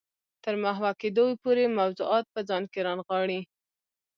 تر محوه کېدو پورې موضوعات په ځان کې رانغاړي.